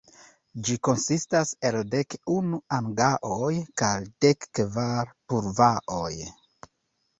Ĝi konsistas el dek unu "anga-oj" kaj dek kvar "purva-oj".